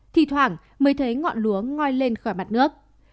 thì thoảng mới thấy ngọn lúa ngoi lên khỏi mặt nước